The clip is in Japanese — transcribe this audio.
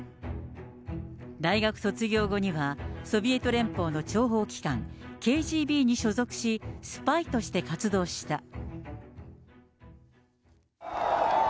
大学卒業後には、ソビエト連邦の諜報機関、ＫＧＢに所属し、スパイとして活動した。